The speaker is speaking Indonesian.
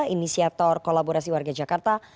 inisiator kolaborasi warga jakarta